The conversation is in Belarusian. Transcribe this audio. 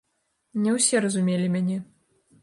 Не ўсе разумелі мяне.